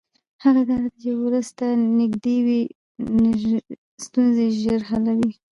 هغه اداره چې ولس ته نږدې وي ستونزې ژر حلوي